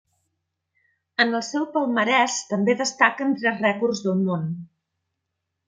En el seu palmarès també destaquen tres rècords del món.